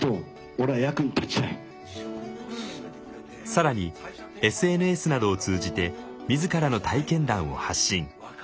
更にＳＮＳなどを通じて自らの体験談を発信。